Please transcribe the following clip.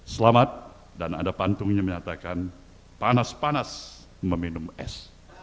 selamat dan ada pantungnya menyatakan panas panas meminum es